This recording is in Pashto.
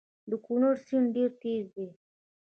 د کونړ سیند ډیر تېز دی